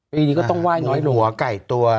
ปีนี้ก็ต้องว่าน้อยหลงหมูหัวไก่ตัว